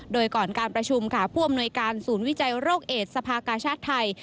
โดยก่อนการประชุมผู้อำนวยการสภาคาชาตน์ไทย